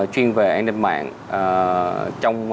chuyên về an ninh mạng